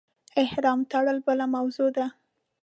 احرام تړل بله موضوع ده.